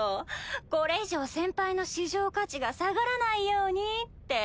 これ以上先輩の市場価値が下がらないようにって。